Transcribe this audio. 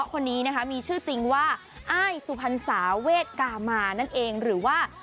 คนนี้นะคะมีชื่อจริงว่าอ้ายสุพรรษาเวทกามานั่นเองหรือว่า